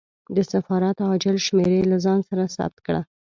د سفارت عاجل شمېرې له ځان سره ثبت کړه.